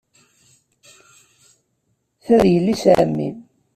Ta d yelli-s n ɛemmi.